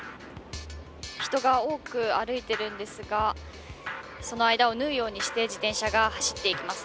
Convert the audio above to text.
人が多く歩いてるんですが、その間を縫うようにして自転車が走っていきます。